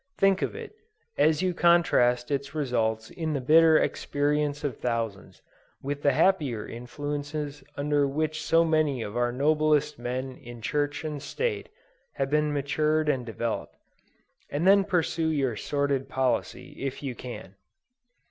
Think of it, as you contrast its results in the bitter experience of thousands, with the happier influences under which so many of our noblest men in Church and State, have been nurtured and developed, and then pursue your sordid policy, if you can.